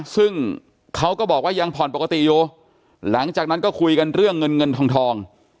ซึ่งเขาก็บอกว่ายังผ่อนปกติอยู่หลังจากนั้นก็คุยกันเรื่องเงินเงินทอง